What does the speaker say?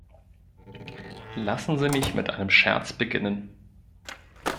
Lassen Sie mich mit einem Scherz beginnen.